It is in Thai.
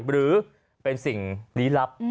หรือเป็นสิ่งลี้ลับ